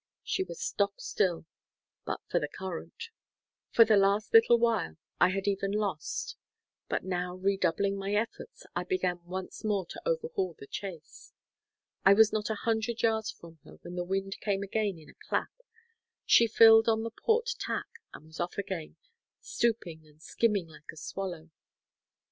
She was stock still, but for the current. For the last little while I had even lost; but now redoubling my efforts, I began once more to overhaul the chase. I was not a hundred yards from her when the wind came again in a clap; she filled on the port tack, and was off again, stooping and skimming like a swallow.